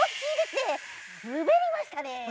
すべりましたね！